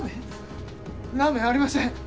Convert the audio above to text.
ラーメンありません。